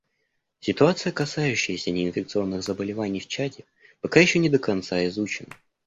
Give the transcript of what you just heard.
Ситуация, касающаяся неинфекционных заболеваний в Чаде, пока еще не до конца изучена.